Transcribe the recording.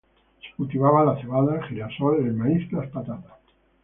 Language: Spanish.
Se cultiva la cebada, el girasol, el maíz y las patatas.